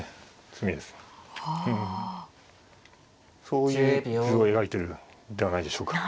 そういう図を描いてるんではないでしょうか。